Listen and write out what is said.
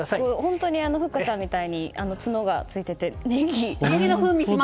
本当に、ふっかちゃんみたいに角がついてますね。